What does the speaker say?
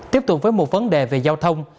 tiếp tục với một vấn đề về giao thông